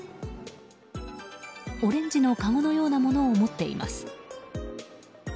オレンジのかごのようなものを持っています。